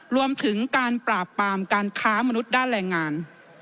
รวมถึงการปราบปรามการค้ามนุษย์ด้านแรงงาน